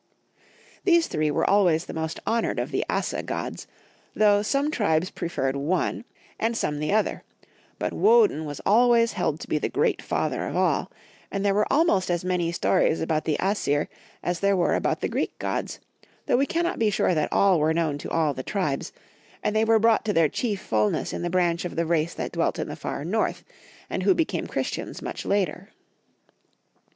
These three were always the most honored of the Asa gods, though some tribes preferred one and The Ancient Germans. 19 some the other; but Woden was always held to be the great father of all, and there were almost as many stories about the Asir as there were about the Greek gods, though we cannot be sure that all were known to all the tribes, and they were brought to their chief fulness in the branch of the race that dwelt in the far North, and who became Christians much later.